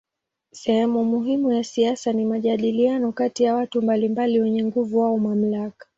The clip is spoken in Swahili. Sehemu muhimu ya siasa ni majadiliano kati ya watu mbalimbali wenye nguvu au mamlaka.